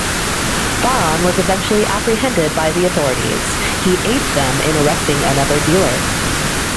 Faron is eventually apprehended by the authorities; he aids them in arresting another dealer.